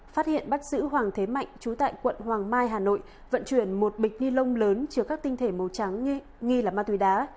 phát hiện bắt giữ hoàng thế mạnh trú tại quận hoàng mai hà nội vận chuyển một bịch ni lông lớn chứa các tinh thể màu trắng nghi là ma túy đá